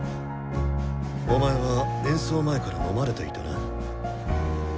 お前は演奏前からのまれていたな。